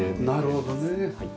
なるほどね。